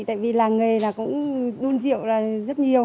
tại vì làng nghề là cũng đun rượu là rất nhiều